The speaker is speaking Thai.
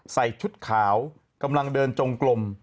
ใส่ชุดขาวกำลังเดินจงกลม